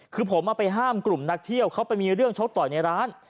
คือผมไปห้ามกลุ่มนักเที่ยวเขาไปมีเรื่องชกต่อยในร้าน